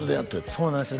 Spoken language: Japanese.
そうなんですよ